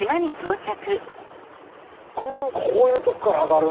こういうとこから上がるんだ。